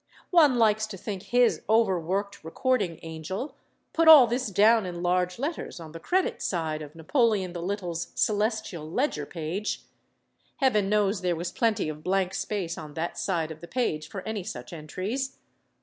One likes to think his overworked re cording angel put all this down in large letters on the credit side of Napoleon the Little's celestial ledger page. Heaven knows there was plenty of blank space on that side of the page for any such entries.